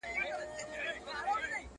په سلگونو یې کورونه وه لوټلي،